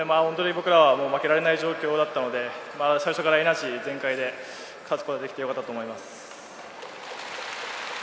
僕らは負けられない状況だったので、最初からエナジー全開で勝つことができてよかったと思います。